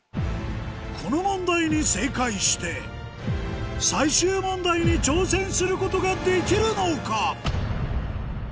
この問題に正解して最終問題に挑戦することができるのか？